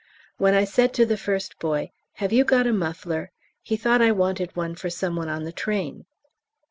When I said to the first boy, "Have you got a muffler?" he thought I wanted one for some one on the train.